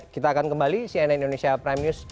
kita akan kembali cnn indonesia prime news